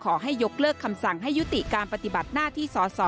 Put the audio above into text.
ยกเลิกคำสั่งให้ยุติการปฏิบัติหน้าที่สอสอ